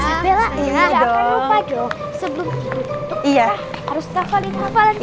sebelum tidur tutup harus tafalin kepala dulu